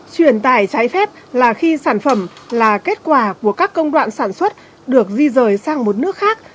truyền tải trái phép là khi sản phẩm là kết quả của các công đoạn sản xuất được di rời sang một nước khác